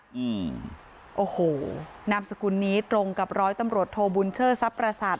อืมโอ้โหนามสกุลนี้ตรงกับร้อยตำรวจโทบุญเชิดทรัพย์ประสาท